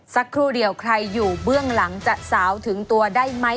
สักครู่เดียวใครอยู่เบื้องหลังจะสาวถึงตัวได้ไหม